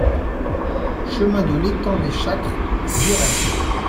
Chemin de L'Etang des Châtres, Guéret